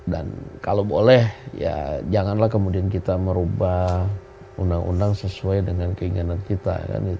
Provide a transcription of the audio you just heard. dan kalau boleh ya janganlah kemudian kita merubah undang undang sesuai dengan keinginan kita